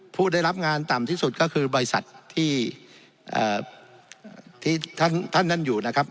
ผู้ได้รับงานต่ำที่สุดก็คือบริษัทที่ท่านนั้นอยู่นะครับ